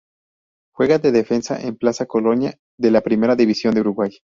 Juega de defensa en Plaza Colonia de la Primera División de Uruguay.